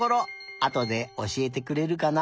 あとでおしえてくれるかな？